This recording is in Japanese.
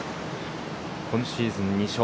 今シーズン２勝。